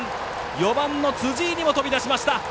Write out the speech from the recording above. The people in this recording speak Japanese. ４番の辻井にも飛び出しました。